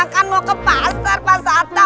kan mau ke pasar pak sata